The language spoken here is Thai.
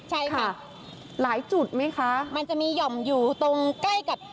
ใช่ค่ะหลายจุดไหมคะมันจะมีหย่อมอยู่ตรงใกล้กับ